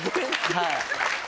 はい。